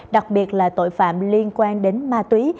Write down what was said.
đặc biệt là tội phạm liên quan đến ma túy